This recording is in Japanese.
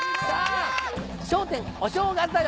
『笑点お正月だよ！